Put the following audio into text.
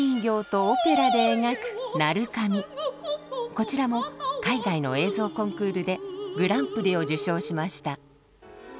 こちらも海外の映像コンクールでグランプリを受賞しました。